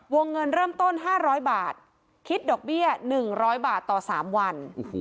วงเงินเริ่มต้นห้าร้อยบาทคิดดอกเบี้ยหนึ่งร้อยบาทต่อสามวัน